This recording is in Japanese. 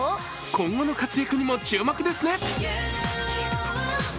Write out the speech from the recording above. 今後の活躍にも注目ですね！